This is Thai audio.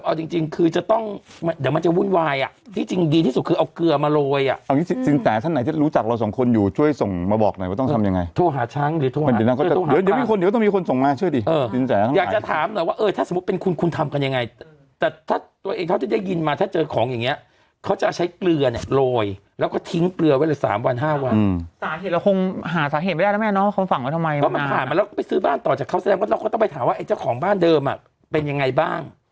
เอาจริงจริงคือจะต้องเดี๋ยวมันจะวุ่นวายอ่ะที่จริงดีที่สุดคือเอาเกลือมาโรยอ่ะเอาอย่างงี้สินใจท่านไหนที่รู้จักเราสองคนอยู่ช่วยส่งมาบอกหน่อยว่าต้องทำยังไงทั่วหาช้างหรือทั่วหาเดี๋ยวมีคนเดี๋ยวต้องมีคนส่งมาเชื่อดิเออสินใจทั้งหลายอยากจะถามหน่อยว่าเออถ้าสมมุติเป็นคุ